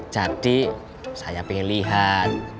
jadi saya pengen lihat